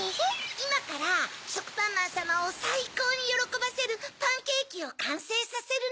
いまからしょくぱんまんさまをさいこうによろこばせるパンケーキをかんせいさせるの。